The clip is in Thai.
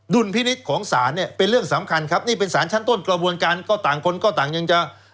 ดุลพินิษฐ์ของสารเป็นเรื่องสำคัญครับนี่เป็นสารชั้นต้นกระบวนการเก้าต่างคน